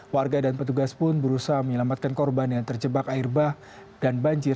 warga dan petugas pun berusaha menyelamatkan korban yang terjebak air bah dan banjir